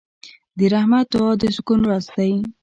د رحمت دعا د سکون راز دی.